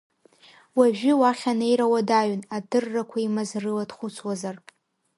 Уажәы уахь анеира уадаҩын, адыррақәа имаз рыла дхәыцуазар.